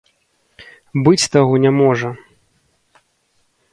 Быць таго не можа.